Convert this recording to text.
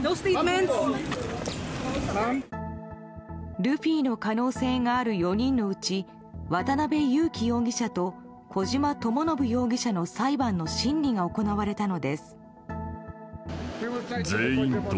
ルフィの可能性がある４人のうち渡辺優樹容疑者と小島智信容疑者の裁判の審理が行われたのです。